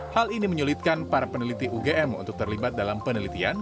hal ini menyulitkan para peneliti ugm untuk terlibat dalam penelitian